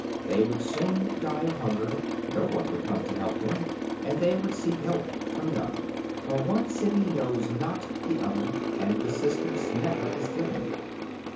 They would soon die of hunger; no one would come to help them, and they would seek help from none. For one city knows not the other, and assistance never is given.